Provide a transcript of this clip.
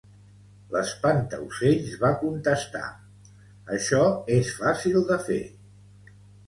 L'espantaocells va contestar "Això és fàcil de fer".